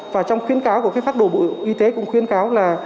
và trong khuyến cáo của phác đồ bộ y tế cũng khuyến cáo là